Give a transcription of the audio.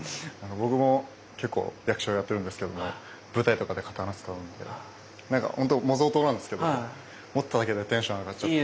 僕も結構役者をやってるんですけども舞台とかで刀使うんでなんかほんと模造刀なんですけど持っただけでテンション上がっちゃって。